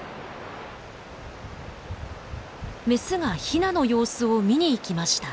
メスがヒナの様子を見に行きました。